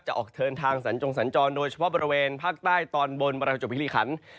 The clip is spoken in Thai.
ออกเดินทางสัญจงสัญจรโดยเฉพาะบริเวณภาคใต้ตอนบนประจบภิริขัน